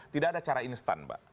tidak ada cara instan mbak